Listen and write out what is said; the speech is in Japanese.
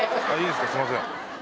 すみません。